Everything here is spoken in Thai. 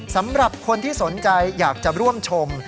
สำหรับคนที่สนใจอยากจะร่วมชม